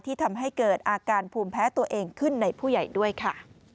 ทำให้เกิดอาการภูมิแพ้ตัวเองขึ้นในผู้ใหญ่ด้วยค่ะ